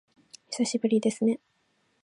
久しぶりですね